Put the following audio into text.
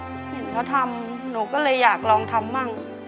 เห็นเขาทำหนูก็เลยอยากลองทำบ้าง